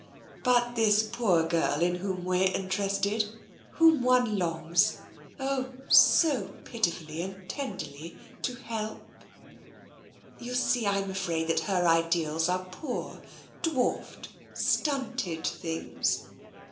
But this poor girl in whom we're interested, whom one longs, oh, so pitifully and tenderly — to help. You see, I'm afraid that her ideals are poor, dwarfed, stunted things.